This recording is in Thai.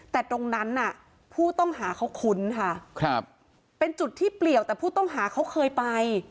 แต่ตรงนั้นน่ะผู้ต้องหาเขาคุ้นค่ะครับเป็นจุดที่เปลี่ยวแต่ผู้ต้องหาเขาเคยไป